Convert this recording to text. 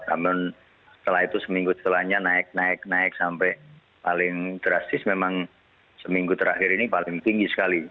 namun setelah itu seminggu setelahnya naik naik naik sampai paling drastis memang seminggu terakhir ini paling tinggi sekali